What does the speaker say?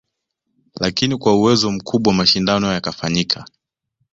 Lakini kwa uwezo mkubwa mashindano yakafanyika